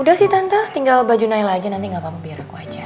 udah sih tante tinggal baju noel aja nanti gak apa apa biar aku aja